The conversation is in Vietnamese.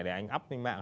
để anh up trên mạng